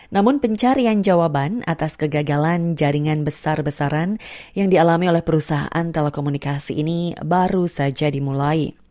namun pencarian jawaban atas kegagalan jaringan besar besaran yang dialami oleh perusahaan telekomunikasi ini baru saja dimulai